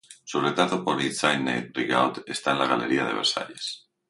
Su retrato por Hyacinthe Rigaud está en la galería de Versalles.